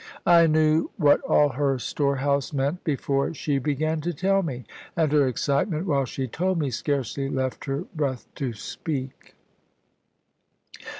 I knew what all her storehouse meant before she began to tell me. And her excitement while she told me scarcely left her breath to speak.